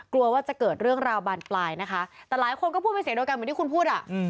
กลัวว่าจะเกิดเรื่องราวบานปลายนะคะแต่หลายคนก็พูดไปเสียโดยกันอย่างที่คุณพูด